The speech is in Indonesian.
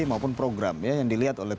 maupun program ya yang dilihat oleh